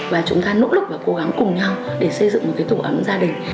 và chúng ta nỗ lực và cố gắng cùng nhau để xây dựng một cái tổ ấm gia đình